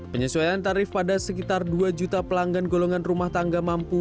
penyesuaian tarif pada sekitar dua juta pelanggan golongan rumah tangga mampu